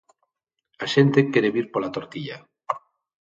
A xente quere vir pola tortilla.